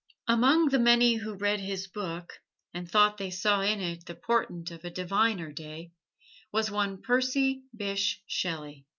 Among the many who read his book and thought they saw in it the portent of a diviner day was one Percy Bysshe Shelley.